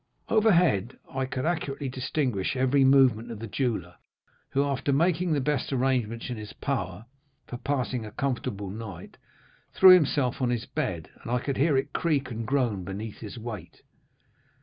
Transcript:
Overhead I could accurately distinguish every movement of the jeweller, who, after making the best arrangements in his power for passing a comfortable night, threw himself on his bed, and I could hear it creak and groan beneath his weight.